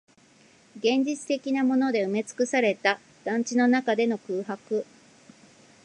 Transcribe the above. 現実的なもので埋めつくされた団地の中での空白